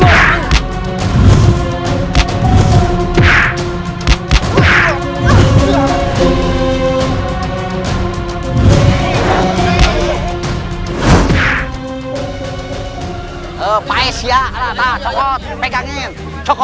baik sebenarnya saya akan melakukannya di bandar